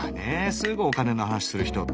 すぐお金の話する人って。